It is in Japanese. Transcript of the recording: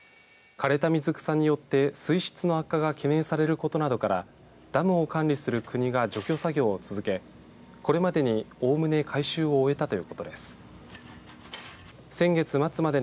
枯れた水草によって水質の悪化が懸念されることなどからダムを管理する国が除去作業を続けこれまでに、おおむね回収を終えたということです。